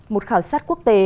một khảo sát quốc tế